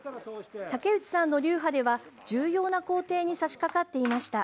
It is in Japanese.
竹内さんの流派では重要な工程にさしかかっていました。